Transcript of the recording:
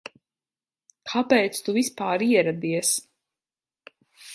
Kāpēc tu vispār ieradies?